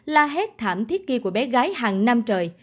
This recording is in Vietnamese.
la hét thảm thiết kia của bé gái hàng năm trời